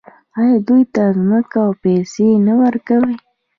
آیا دوی ته ځمکه او پیسې نه ورکوي؟